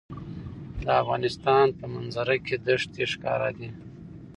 د افغانستان په منظره کې دښتې ښکاره دي.